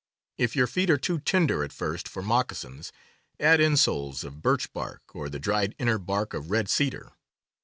If your feet are too tender, at first, for moccasins, add insoles of birch bark or the dried inner bark of red cedar.